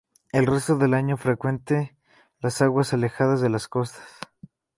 El resto del año frecuente las aguas alejadas de las costas.